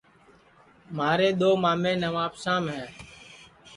مھارے دؔو مامیں نوابشام ہے